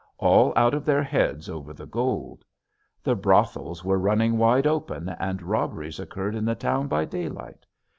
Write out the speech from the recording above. all out of their heads over the gold. The brothels were running wide open and robberies occurred in the town by daylight.